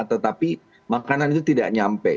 tetapi makanan itu tidak nyampe